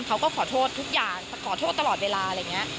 เขาก็ขอโทษทุกอย่างขอโทษตลอดเวลาอะไรอย่างนี้